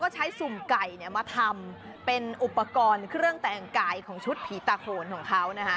ใช้สุ่มไก่มาทำเป็นอุปกรณ์เครื่องแต่งกายของชุดผีตาโขนของเขา